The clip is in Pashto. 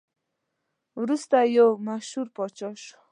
وروسته یو مشهور پاچا شو.